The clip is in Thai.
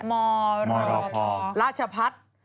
มรพราชพัฒน์